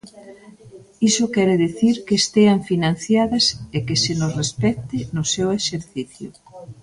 Iso quere dicir que estean financiadas e que se nos respecte no seu exercicio.